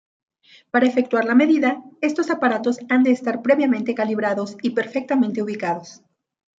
Para efectuar la medida, estos aparatos han de estar previamente calibrados y perfectamente ubicados.